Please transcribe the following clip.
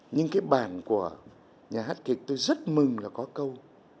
nhưng cái bản của nhà hát kiệt tôi rất mừng là có câu